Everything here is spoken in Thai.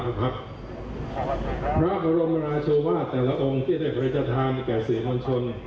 พระบรมราชวาสแต่ละองค์ที่ได้เคยจะทานแก่สื่อมวลชน